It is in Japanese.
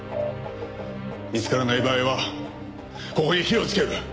見つからない場合はここに火をつける。